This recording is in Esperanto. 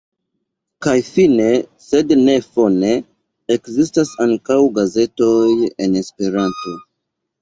Kaj fine sed ne fone: ekzistas ankaŭ gazetoj en Esperanto.